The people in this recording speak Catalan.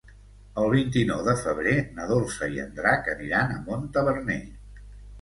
El vint-i-nou de febrer na Dolça i en Drac aniran a Montaverner.